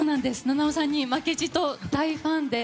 菜々緒さんに負けじと大ファンで。